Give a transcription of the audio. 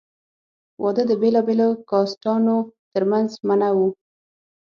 واده د بېلابېلو کاسټانو تر منځ منع وو.